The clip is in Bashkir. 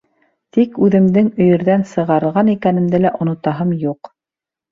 Тик үҙемдең өйөрҙән сығарылған икәнемде лә онотаһым юҡ.